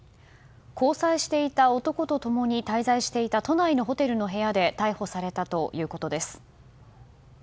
交際していた男と共に滞在していた都内のホテルの部屋で逮捕されたということです。